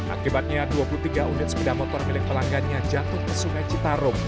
akibatnya dua puluh tiga unit sepeda motor milik pelanggannya jatuh ke sungai citarum